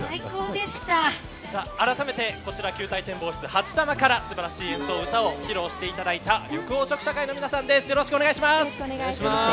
あらためてこちら球体展望室はちたまから素晴らしい演奏と歌を披露していただいた緑黄色社会の皆さんです。